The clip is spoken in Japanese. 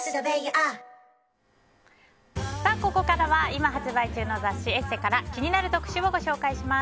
ここからは今発売中の雑誌「ＥＳＳＥ」から気になる特集をご紹介します。